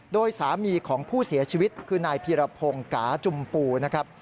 โดยสามีของผู้เสียชีวิตคือนายพีรพงศ์กาจุมปูนะครับ